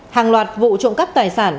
hàng loạt vụ trộm cắp tài sản